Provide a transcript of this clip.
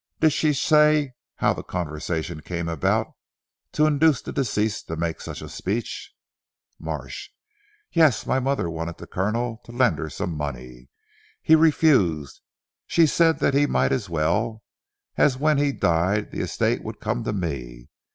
Did she say how the conversation came about to induce the deceased to make such a speech." Marsh. "Yes! My mother wanted the Colonel to lend her some money. He refused. She said that he might as well, as when he died the estate would come to me.